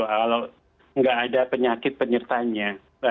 kalau tidak ada penyakit penyertanya